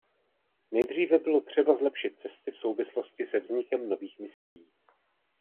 Nejdříve bylo třeba zlepšit cesty v souvislosti se vznikem nových misií.